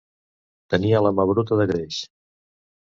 Tenia la mà bruta de greix.